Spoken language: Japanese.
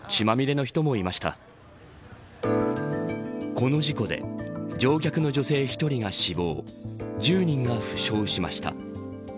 この事故で乗客の女性１人が死亡１０人が負傷しました。